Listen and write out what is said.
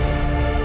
ya enggak apa apa